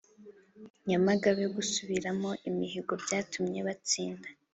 Nyamagabe gusubiramo imihigo byatumye batsinda